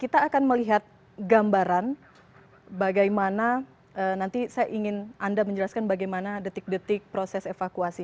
kita akan melihat gambaran bagaimana nanti saya ingin anda menjelaskan bagaimana detik detik proses evakuasi